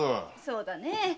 そうだね